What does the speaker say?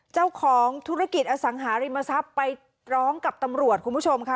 เจ้าของธุรกิจอสังหาริมทรัพย์ไปร้องกับตำรวจคุณผู้ชมค่ะ